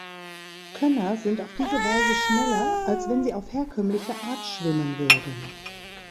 Könner sind auf diese Weise schneller, als wenn sie auf herkömmliche Art schwimmen würden.